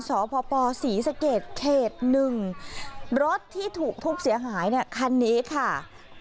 ตรวจสอบพอศีรษะเกดเขต๑รถที่ถูกทุกข์เสียหายคันนี้ค่ะ